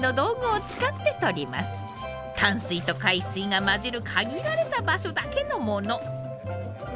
淡水と海水が混じる限られた場所だけのもの。